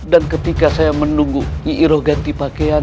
dan ketika saya menunggu nyi iroh ganti pakaian